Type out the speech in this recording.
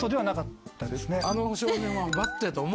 あの少年は。